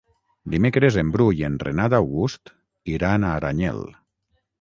Dimecres en Bru i en Renat August iran a Aranyel.